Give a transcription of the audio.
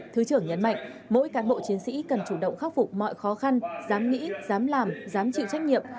thứ trưởng nhấn mạnh mỗi cán bộ chiến sĩ cần chủ động khắc phục mọi khó khăn dám nghĩ dám làm dám chịu trách nhiệm